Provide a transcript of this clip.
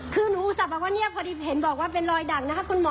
คือหนูอุตส่าห์บอกว่าเนี่ยพอดีเห็นบอกว่าเป็นรอยดั่งนะคะคุณหมอ